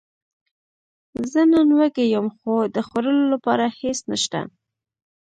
زه نن وږی یم، خو د خوړلو لپاره هیڅ نشته